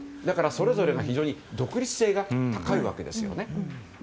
だから、それぞれが非常に独立性が高いわけです。